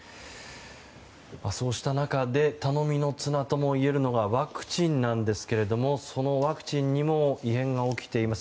そうした中で頼みの綱ともいえるのがワクチンなんですがそのワクチンにも異変が起きています。